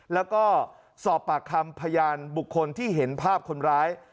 แล้วก็สอบปากคำพยานบุคคลที่เห็นภาพคนร้าย